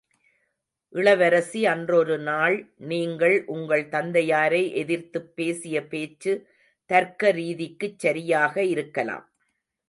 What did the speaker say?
இளவரசி அன்றொரு நாள் நீங்கள், உங்கள் தந்தையாரை எதிர்த்துப் பேசிய பேச்சு தர்க்க ரீதிக்குச் சரியாக இருக்கலாம்.